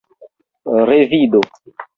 revido